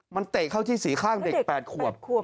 มันเตะเข้าที่สีข้างเด็ก๘ขวบ